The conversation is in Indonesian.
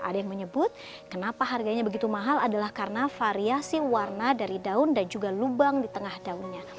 ada yang menyebut kenapa harganya begitu mahal adalah karena variasi warna dari daun dan juga lubang di tengah daunnya